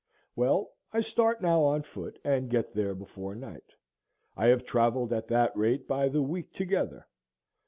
Well, I start now on foot, and get there before night; I have travelled at that rate by the week together.